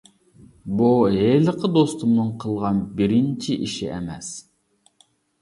بۇ ھېلىقى دوستۇمنىڭ قىلغان بىرىنچى ئىشى ئەمەس.